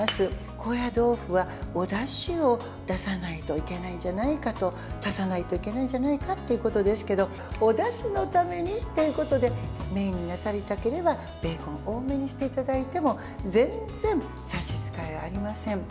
高野豆腐は、おだしを出さないといけないんじゃないかと足さないといけないんじゃないかということですけどおだしのためにということでメインになさりたければベーコンを多めにしていただいても全然差し支えありません。